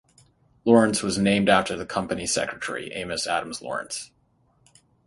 Lawrence was named after the Company secretary, Amos Adams Lawrence.